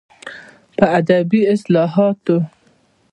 په ادبي اصلاحاتو